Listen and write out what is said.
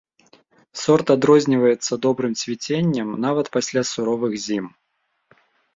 Сорт адрозніваецца добрым цвіценнем нават пасля суровых зім.